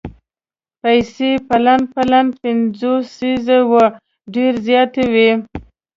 پیسې پلن پلن پنځوسیز وو ډېرې زیاتې وې.